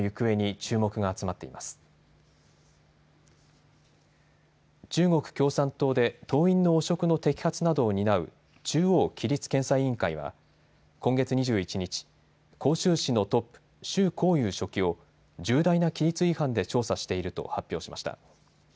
中国共産党で党員の汚職の摘発などを担う中央規律検査委員会は今月２１日杭州市のトップ、周江勇書記を重大な規律違反で調査していると発表しました。